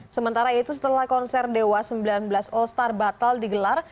sementara itu setelah konser dewa sembilan belas all star batal digelar